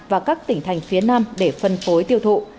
và các tỉnh thành phía nam để phân phối tiêu thụ